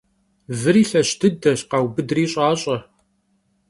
Vıri lheş dıdeş — khaubıdri ş'aş'e.